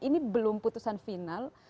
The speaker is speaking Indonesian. ini belum putusan final